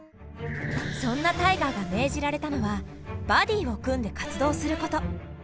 そんなタイガーが命じられたのはバディを組んで活動すること。